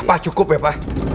pa cukup ya pa